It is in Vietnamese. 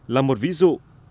là một ví dụ